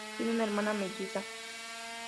Tiene una hermana melliza.